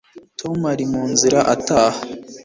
tom ari mu nzira ataha